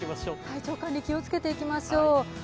体調管理気をつけていきましょう。